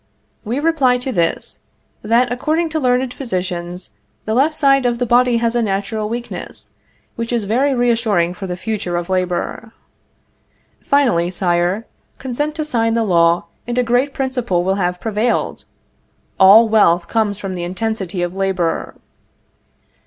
We reply to this, that, according to learned physicians, the left side of the body has a natural weakness, which is very reassuring for the future of labor. Finally, Sire, consent to sign the law, and a great principle will have prevailed: _All wealth comes from the intensity of labor.